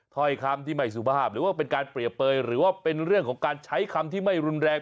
ถ้อยคำที่ไม่สุภาพหรือว่าเป็นการเปรียบเปยหรือว่าเป็นเรื่องของการใช้คำที่ไม่รุนแรง